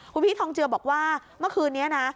คุณพี่ทองเจือบอกว่าเมื่อคืนนี้นะ